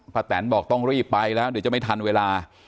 แตนบอกต้องรีบไปแล้วเดี๋ยวจะไม่ทันเวลา